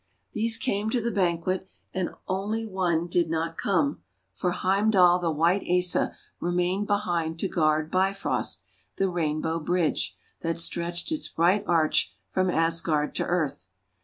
These came to the banquet, and one only did not come, for Heimdal the White Asa remained behind to guard Bifrost, the Rainbow Bridge, that stretched its bright arch from Asgard to earth.